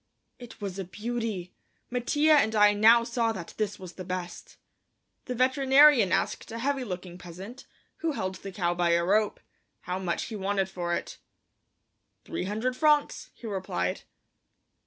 It was a beauty! Mattia and I now saw that this was the best. The veterinarian asked a heavy looking peasant, who held the cow by a rope, how much he wanted for it. "Three hundred francs," he replied.